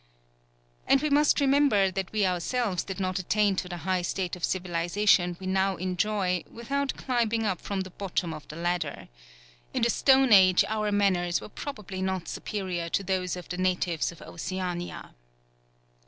And we must remember that we ourselves did not attain to the high state of civilization we now enjoy without climbing up from the bottom of the ladder. In the stone age our manners were probably not superior to those of the natives of Oceania.